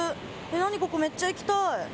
何ここ、めっちゃ行きたい！